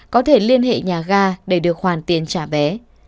có thể liên hệ nhà ga để được hoàn tiền trả vé